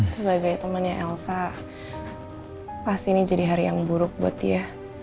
sebagai temannya elsa pasti ini jadi hari yang buruk buat dia